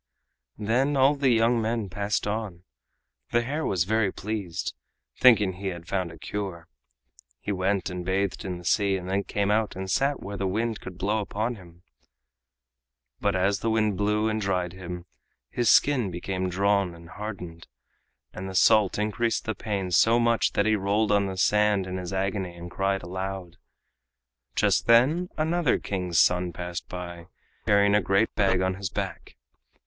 Then all the young men passed on. The hare was very pleased, thinking that he had found a cure. He went and bathed in the sea and then came out and sat where the wind could blow upon him. But as the wind blew and dried him, his skin became drawn and hardened, and the salt increased the pain so much that he rolled on the sand in his agony and cried aloud. Just then another King's son passed by, carrying a great bag on his back.